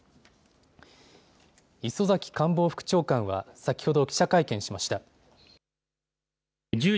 磯崎官房副長官は先ほど記者会見しました。